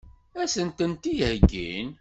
Ad sent-tent-id-heggin?